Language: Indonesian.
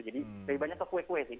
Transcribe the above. jadi lebih banyak ke kue kue sih